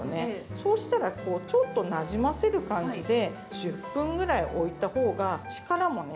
そうしたらちょっとなじませる感じで１０分ぐらいおいた方が力もね